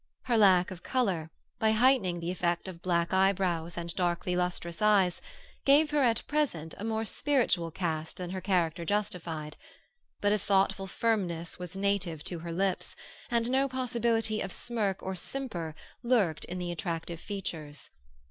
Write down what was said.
Her lack of colour, by heightening the effect of black eyebrows and darkly lustrous eyes, gave her at present a more spiritual cast than her character justified; but a thoughtful firmness was native to her lips, and no possibility of smirk or simper lurked in the attractive features.